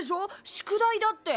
宿題だって。